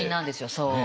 そう。